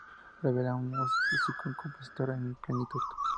Revela a una músico y compositor en plenitud.